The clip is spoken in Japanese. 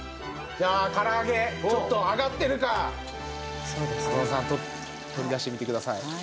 じゃあから揚げちょっと揚がってるか浅野さん取り出してみてください。